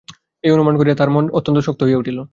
এই অনুমান করিয়া তাহার মন অত্যন্ত শক্ত হইয়া উঠিল।